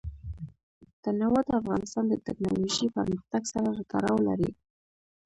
تنوع د افغانستان د تکنالوژۍ پرمختګ سره تړاو لري.